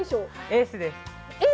エースです。